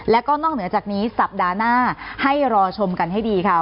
แล้วก็นอกเหนือจากนี้สัปดาห์หน้าให้รอชมกันให้ดีค่ะ